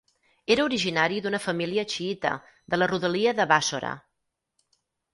Era originari d'una família xiïta de la rodalia de Bàssora.